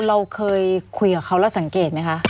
เราเคยคุยกับเขาแล้วสังเกตไหมคะ